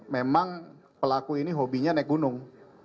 memang pelaku ini hobinya naik gunung